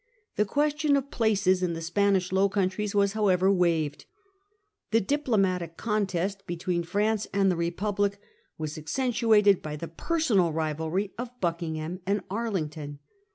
The question of places in the Spanish Low Countries was, however, waived. The diplomatic contest betwecr France and the Republic was accentuated by the personal rivalry of Arlington Buckingham and Arlington.